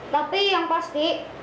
tapi yang pasti